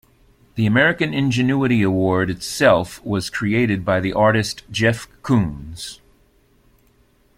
The American Ingenuity Award itself was created by the artist Jeff Koons.